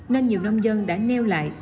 nên nhiều nông dân đã neo lại